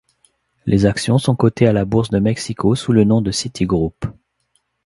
Les actions sont cotées à la bourse de Mexico sous le nom de Citigroup.